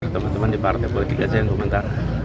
teman teman di partai bulgiga saya yang meminta